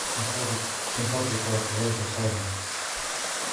من فضلك غادر حالاً.